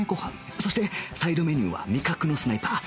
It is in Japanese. そしてサイドメニューは味覚のスナイパー揚げ餃子